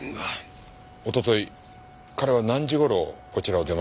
一昨日彼は何時頃こちらを出ました？